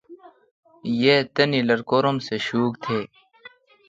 یی تانی لٹکورو ام سہ شوک تیں۔